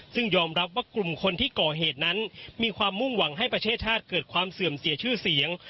ซึ่งยอมรับว่ากลุ่มคนที่ก่อเหตุนั้นมีความมุ่งหวังให้ประเทศชาติเกิดความเสื่อมเสียชื่อเสียง